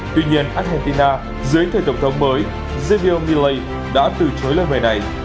tuy nhiên argentina dưới thời tổng thống mới xavier milley đã từ chối lên về này